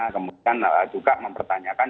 kemudian juga mempertanyakan